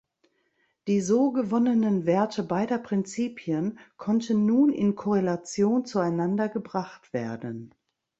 Die so gewonnenen Werte beider Prinzipien konnten nun in Korrelation zueinander gebracht werden.